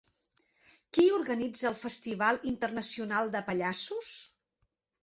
Qui organitza el Festival Internacional de Pallassos?